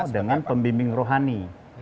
dengan pembimbing rohani